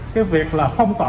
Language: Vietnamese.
cái việc là phong tỏa